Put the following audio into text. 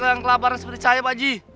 yang kelaparan seperti saya pak haji